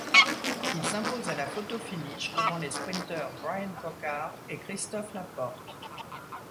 Il s'impose à la photo finish devant les sprinteurs Bryan Coquard et Christophe Laporte.